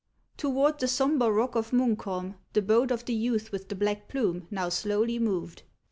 Toward the sombre rock of Munkholm the boat of the youth with the black plume now slowly moved.